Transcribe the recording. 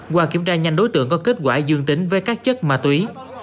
qua kiểm tra nhanh đối tượng có kết quả dương tính với các chất ma túy